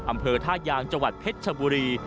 อำเภอท่ายางจังหวัดเพชรชบุรี